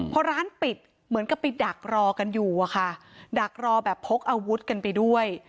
พอร้านปิดเหมือนกับไปดักรอกันอยู่อะค่ะดักรอแบบพกอาวุธกันไปด้วย